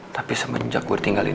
tapi semenjak gue tinggalin karin